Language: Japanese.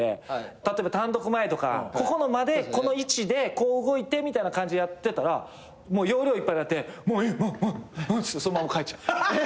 例えば単独前とかここの間でこの位置でこう動いてみたいな感じでやってたら容量いっぱいになって「もういいもう」っつってそのまま帰っちゃう。